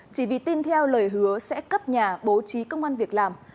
chỉ vì tin theo lời hứa sẽ cấp nhà bố trí công an việc làm